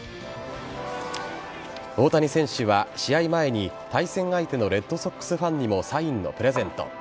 大谷選手は試合前に対戦相手のレッドソックスファンにもサインのプレゼント。